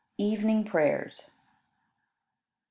Evening Prayers. 19.